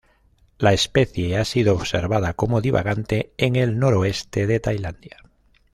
La especie ha sido observada como divagante en el noroeste de Tailandia.